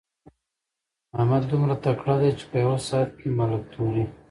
احمد دومره تکړه دی چې په يوه ساعت کې ملک توري.